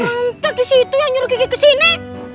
mantap di situ ya nyuruh kiki kesini